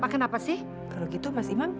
tidak ada begitu saja